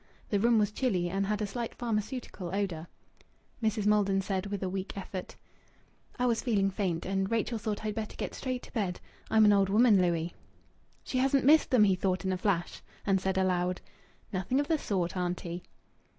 The room was chilly and had a slight pharmaceutical odour. Mrs. Maldon said, with a weak effort "I was feeling faint, and Rachel thought I'd better get straight to bed. I'm an old woman, Louis." "She hasn't missed them!" he thought in a flash, and said, aloud "Nothing of the sort, auntie."